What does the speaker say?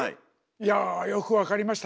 いやぁよく分かりました。